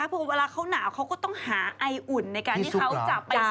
เพราะว่าเวลาเขาหนาวเขาก็ต้องหาไออุ่นในการที่เขาจับไปซุกตัว